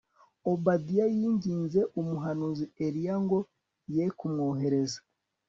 Obadiya yinginze umuhanuzi Eliya ngo ye kumwohereza